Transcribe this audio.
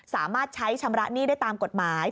สามารถใช้ชำระหนี้ได้ตามกฎหมาย